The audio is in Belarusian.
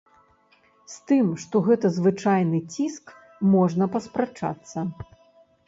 З тым, што гэта звычайны ціск, можна паспрачацца.